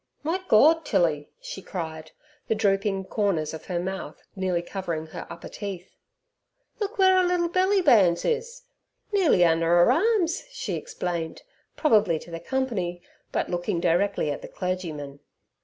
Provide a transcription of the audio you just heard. "My Gawd, Tilly!" she cried, the drooping corners of her mouth nearly covering her upper teeth. "Look w'er 'er little belly bands is nearly un'er 'er arms," she explained, probably to the company, but looking directly at the clergyman.